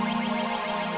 ki tolong buatin teh